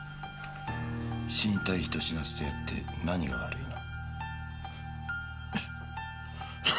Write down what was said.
死にたい人死なせてやって何が悪いの？